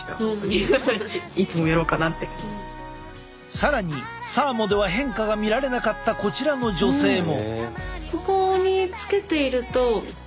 更にサーモでは変化が見られなかったこちらの女性も。